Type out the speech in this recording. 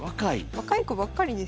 若い子ばっかりです。